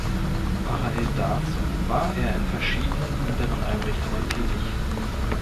Parallel dazu war er in verschiedenen anderen Einrichtungen tätig.